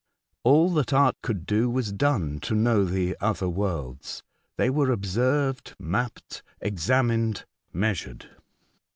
All that art could do was done to know the other worlds. They were observed, mapped, examined, measured.